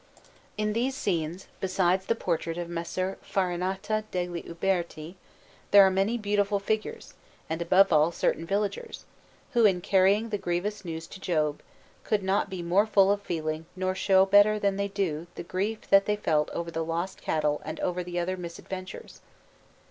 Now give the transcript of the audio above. In these scenes, besides the portrait of Messer Farinata degli Uberti, there are many beautiful figures, and above all certain villagers, who, in carrying the grievous news to Job, could not be more full of feeling nor show better than they do the grief that they felt over the lost cattle and over the other misadventures.